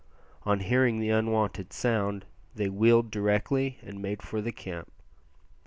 On hearing the unwonted sound they wheeled directly and made for the camp.